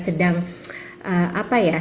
sedang apa ya